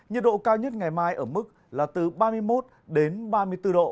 nhiệt độ cao nhất ngày mai ở mức là từ ba mươi một đến ba mươi bốn độ